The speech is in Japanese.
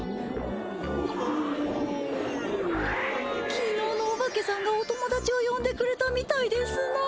きのうのおばけさんがお友だちをよんでくれたみたいですなあ。